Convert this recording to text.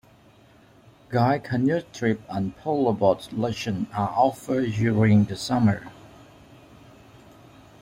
Guided canoe trips and paddleboard lessons are offered during the summer.